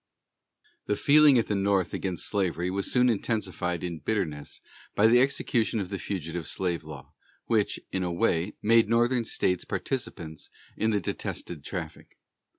The feeling at the North against slavery was soon intensified in bitterness by the execution of the fugitive slave law, which, in a way, made Northern states participants in the detested traffic.